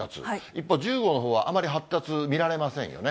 一方、１０号のほうはあまり発達、見られませんよね。